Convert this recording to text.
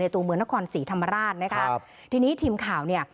ตัวเมืองนครศรีธรรมราชนะครับทีนี้ทีมข่าวเนี่ย